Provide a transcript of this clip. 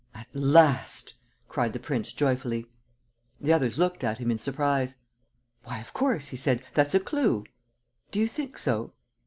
"At last!" cried the prince, joyfully. The others looked at him in surprise. "Why, of course," he said, "that's a clue!" "Do you think so?"